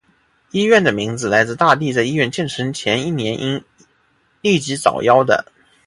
医院的名字来自大帝在医院建成前一年因痢疾早夭的。